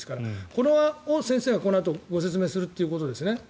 これを先生がこのあとご説明するということですね。